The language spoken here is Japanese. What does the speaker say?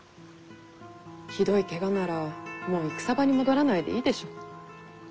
ひどいけがならもう戦場に戻らないでいいでしょ。